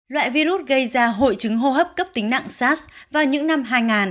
loại virus gây ra hội chứng hô hấp cấp tính nặng sars vào những năm hai nghìn